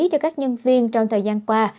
cho các nhân viên trong thời gian qua